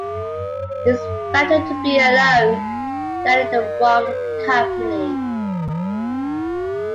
It is better to be alone than in the wrong company.